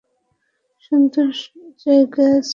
সুন্দর জায়গা ক্রিস্টোফার।